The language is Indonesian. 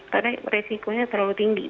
karena risikonya terlalu tinggi